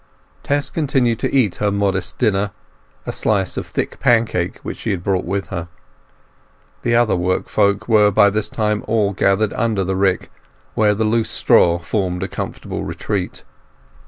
Tess continued to eat her modest dinner, a slice of thick pancake which she had brought with her. The other workfolk were by this time all gathered under the rick, where the loose straw formed a comfortable retreat.